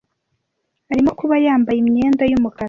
Arimo kuba yambaye imyenda yumukara.